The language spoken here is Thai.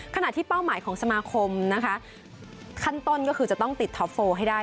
ขณะที่เป้าหมายของสมาคมนะคะขั้นต้นก็คือจะต้องติดท็อปโฟลให้ได้